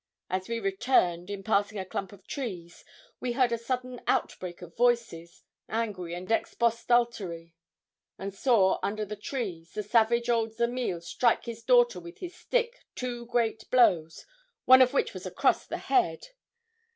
As we returned, in passing a clump of trees, we heard a sudden outbreak of voices, angry and expostulatory; and saw, under the trees, the savage old Zamiel strike his daughter with his stick two great blows, one of which was across the head.